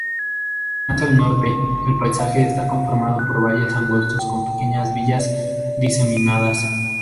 Más al norte, el paisaje está conformado por valles angostos con pequeñas villas diseminadas.